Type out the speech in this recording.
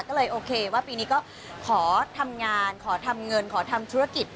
ก็เลยโอเคว่าปีนี้ก็ขอทำงานขอทำเงินขอทำธุรกิจ